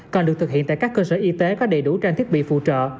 còn được thực hiện tại các cơ sở y tế có đầy đủ trang thiết bị phụ trợ